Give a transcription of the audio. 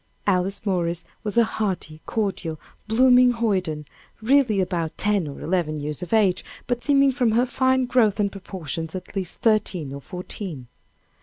Alice Morris was a hearty, cordial, blooming hoyden, really about ten or eleven years of age, but seeming from her fine growth and proportions, at least thirteen or fourteen.